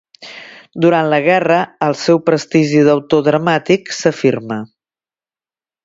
Durant la guerra, el seu prestigi d'autor dramàtic s'afirma.